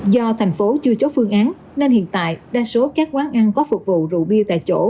do thành phố chưa chốt phương án nên hiện tại đa số các quán ăn có phục vụ rượu bia tại chỗ